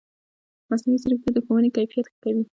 مصنوعي ځیرکتیا د ښوونې کیفیت ښه کوي.